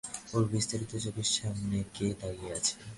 ওর বিস্ফারিত চোখের সামনে কে দাঁড়িয়ে আছে?